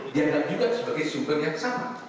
dianggap juga sebagai sukses